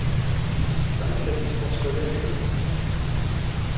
C’est un établissement scolaire catholique.